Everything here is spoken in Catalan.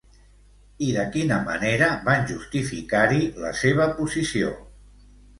I de quina manera van justificar-hi la seva posició?